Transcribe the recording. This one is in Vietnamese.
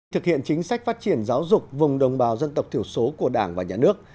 thực hiện chính sách phát triển giáo dục vùng đồng bào dân tộc thiểu số của đảng và nhà nước